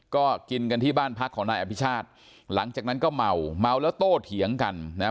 ก็กินกันที่บ้านพักของนายอภิชาติหลังจากนั้นก็เมาเมาแล้วโต้เถียงกันนะฮะ